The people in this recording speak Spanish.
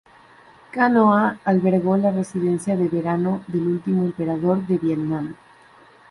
Khanh Hoa albergó la residencia de verano del último emperador de Vietnam.